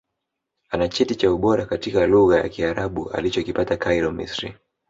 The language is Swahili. Ana Cheti cha Ubora katika Lugha ya Kiarabu alichokipata Cairo Misri